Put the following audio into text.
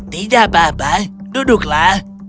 tidak apa apa duduklah